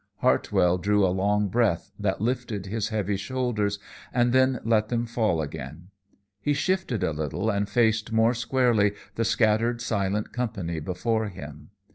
Hartwell drew a long breath that lifted his heavy shoulders, and then let them fall again. He shifted a little and faced more squarely the scattered, silent company before him.